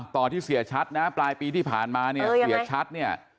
ที่เสียชัดนะปลายปีที่ผ่านมาเนี่ยเสียชัดเนี่ย